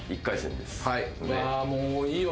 もういいよ。